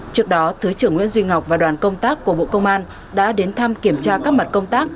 trước đó thứ trưởng nguyễn duy ngọc và đoàn công tác của bộ công an đã đến thăm kiểm tra các mặt công tác